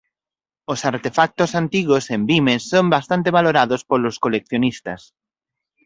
Os artefactos antigos en vime son bastante valorados polos coleccionistas.